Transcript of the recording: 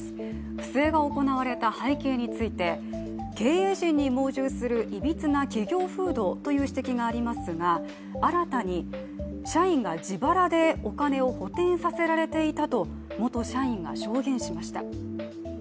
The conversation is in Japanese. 不正が行われた背景について経営陣に盲従するいびつな企業風土という指摘がありますが新たに、社員が自腹でお金を補填させられていたと、元社員が証言をしました。